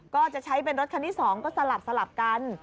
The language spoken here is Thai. ก็จะใช้เป็นรถคันที่๒ก็สลับกัน